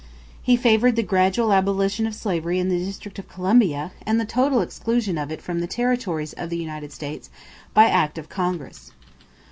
He favored the gradual abolition of slavery in the District of Columbia and the total exclusion of it from the territories of the United States by act of Congress.